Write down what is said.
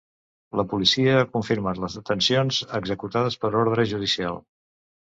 La policia ha confirmat les detencions, executades per ordre judicial.